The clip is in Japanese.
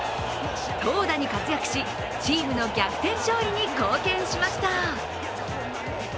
投打に活躍し、チームの逆転勝利に貢献しました。